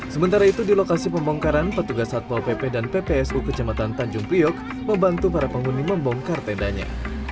sementara itu di lokasi pembongkaran petugas satpol pp dan ppsu kecamatan tanjung priok membantu para penghuni membongkar tendanya